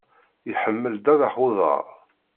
Iḥemmel ddabex uḍar.